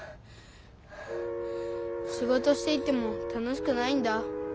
しごとしていても楽しくないんだ。